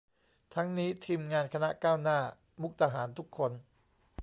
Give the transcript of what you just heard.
ทั้งนี้ทีมงานคณะก้าวหน้ามุกดาหารทุกคน